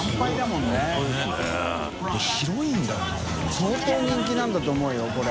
相当人気なんだと思うよこれ。